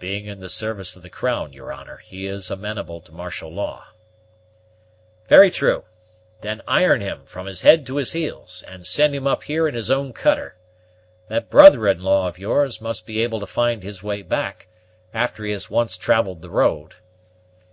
"Being in the service of the crown, your honor, he is amenable to martial law." "Very true; then iron him, from his head to his heels, and send him up here in his own cutter. That brother in law of yours must be able to find the way back, after he has once travelled the road."